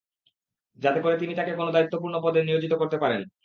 যাতে করে তিনি তাঁকে কোন দায়িত্বপূর্ণ পদে নিয়োজিত করতে পারেন।